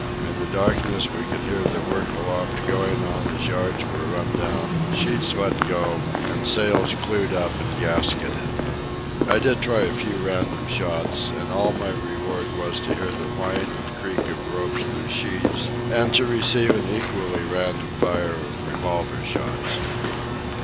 In the darkness we could hear the work aloft going on as yards were run down, sheets let go, and sails clew up and gasketed. I did try a few random shots, and all my reward was to hear the whine and creak of ropes through sheaves and to receive an equally random fire of revolver shots.